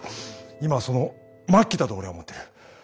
今はその末期だと俺は思ってる。